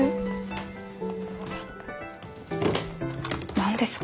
何ですか？